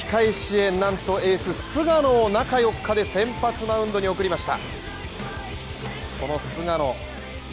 なんと菅野が中４日で先発マウンドに送りました。